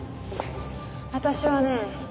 私はね